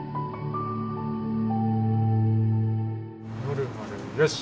ノルマルよし！